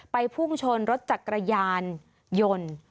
พุ่งชนรถจักรยานยนต์